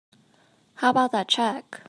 How about that check?